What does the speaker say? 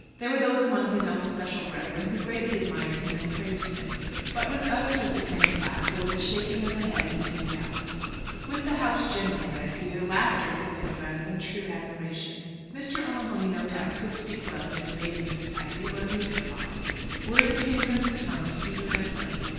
There were those among his own special brethren who greatly admired him and praised him; but with others of the same class there was a shaking of the head and many doubts. With the House generally, I fear, laughter prevailed rather than true admiration. Mr. O'Mahony, no doubt, could speak well in a debating society or a music hall. Words came from his tongue sweeter than honey.